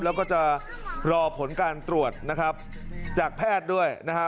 แล้วก็จะรอผลการตรวจนะครับจากแพทย์ด้วยนะฮะ